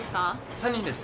３人です。